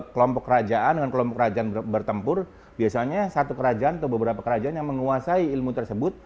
kelompok kerajaan dengan kelompok kerajaan bertempur biasanya satu kerajaan atau beberapa kerajaan yang menguasai ilmu tersebut